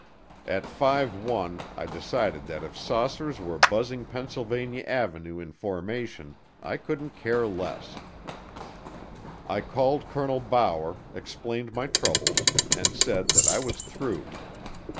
At five one I decided that if saucers were buzzing Pennsylvania Avenue in formation I couldn't care less. I called Colonel Bower, explained my troubles, and said that I was through.